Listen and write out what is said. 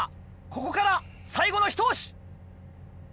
ここから最後のひと押し！